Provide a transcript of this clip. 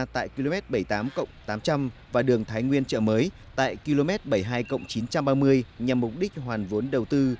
tại km bảy mươi tám tám trăm linh và đường thái nguyên chợ mới tại km bảy mươi hai chín trăm ba mươi nhằm mục đích hoàn vốn đầu tư